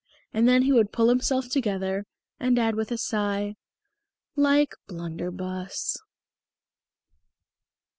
And then he would pull himself together, and add with a sigh, "Like Blunderbus."